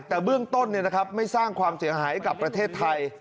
แต่เบื้องต้นไม่สร้างความเสียหายกับประเทศไทย